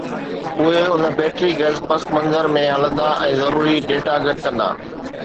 اهي ان-بيٽري گز پس منظر ۾ هلندا ۽ ضروري ڊيٽا گڏ ڪندا